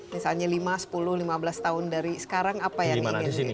misalnya lima sepuluh lima belas tahun dari sekarang apa yang ingin